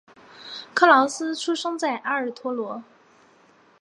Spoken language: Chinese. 克劳斯出生在埃尔托罗。